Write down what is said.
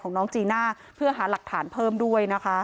น้องจีน่าเพื่อหาหลักฐานเพิ่มด้วยนะคะ